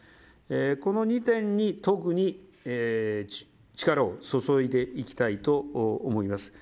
この２点に特に力を注いでいきたいと思います。